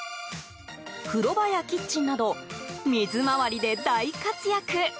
風呂場やキッチンなど水回りで大活躍。